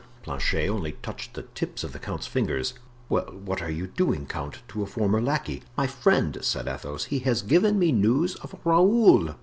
Planchet only touched the tips of the count's fingers. "Well, what are you doing, count—to a former lackey? "My friend," said Athos, "he has given me news of Raoul."